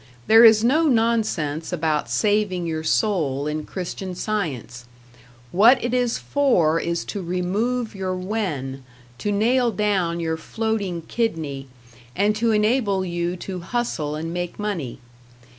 There is no nonsense about saving your soul in Christian Science; what it is for is to remove your wen, to nail down your floating kidney, and to enable you to hustle and make money.